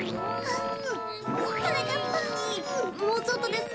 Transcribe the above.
もうちょっとです。